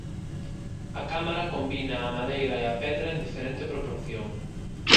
A cámara combina a madeira e a pedra en diferente proporción.